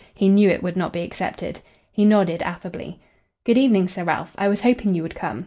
He knew it would not be accepted. He nodded affably. "Good evening, Sir Ralph. I was hoping you would come.